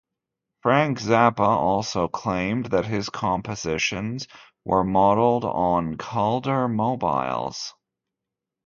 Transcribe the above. Frank Zappa also claimed that his compositions were modelled on Calder mobiles.